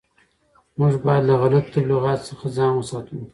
موږ باید له غلطو تبلیغاتو څخه ځان وساتو.